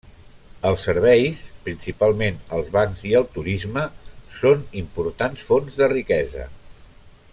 Els serveis, principalment els bancs i el turisme, són importants fonts de riquesa.